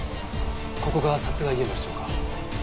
ここが殺害現場でしょうか？